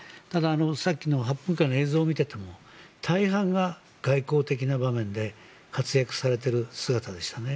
さっきの８分間の映像を見ていても大半が外交的な場面で活躍されている姿でしたね。